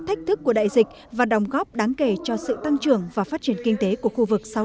thách thức của đại dịch và đồng góp đáng kể cho sự tăng trưởng và phát triển kinh tế của khu vực sau